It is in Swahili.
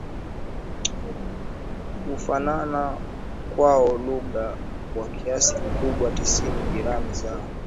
Kufanana kwao lugha kwa kiasi kikubwa tisini jirani zao